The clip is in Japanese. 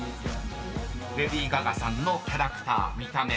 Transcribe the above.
［レディー・ガガさんのキャラクター見た目